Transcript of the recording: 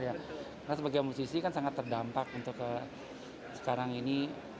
karena sebagai musisi kan sangat terdampak untuk sekarang ini